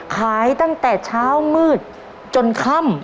ขายตั้งแต่เช้ามืดจนค่ำ